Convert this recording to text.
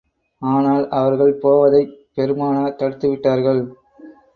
ஆனால், அவர்கள் போவதைப் பெருமானார் தடுத்து விட்டார்கள்.